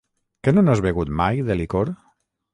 Que no n'has begut mai de licor?